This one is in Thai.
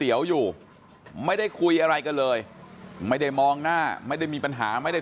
เดี๋ยวอยู่ไม่ได้คุยอะไรกันเลยไม่ได้มองหน้าไม่ได้มีปัญหาไม่ได้